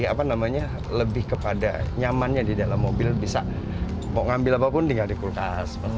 jadi apa namanya lebih kepada nyamannya di dalam mobil bisa mau ngambil apapun tinggal di kulkas